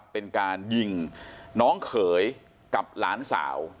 เป็นการยิงน้องเขยกับหลานสาว